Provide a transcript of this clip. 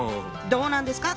どうなんですか？